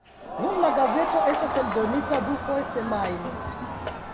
Nun la gazeto estas eldonita dufoje semajne.